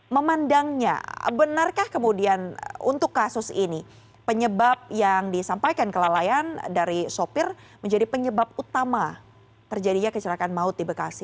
memandangnya benarkah kemudian untuk kasus ini penyebab yang disampaikan kelalaian dari sopir menjadi penyebab utama terjadinya kecelakaan maut di bekasi